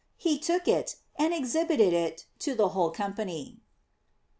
He took it and exhibited it to the whole company.